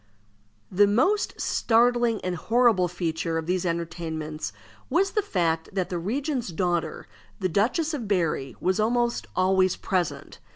The most startling and horrible feature of these entertainments was the fact that the regent's daughter, the Duchess of Berri, was almost always present.